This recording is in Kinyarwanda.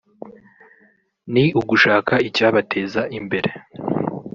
ni ugushaka icyabateza imbere